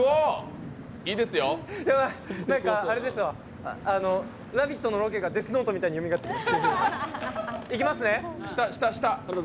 やばい、あれですわ「ラヴィット！」のロケが「デスノート」みたいによみがえってきます。